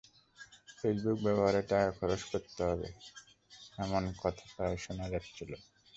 Facebook ব্যবহারে টাকা খরচ করতে হবে, এমন একটা কথা প্রায়ই শোনা যাচ্ছিল।